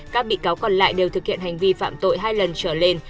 các bị cáo còn lại đều thực hiện hành vi phạm tội hai lần trở lên